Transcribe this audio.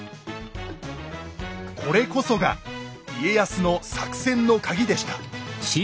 これこそが家康の作戦のカギでした。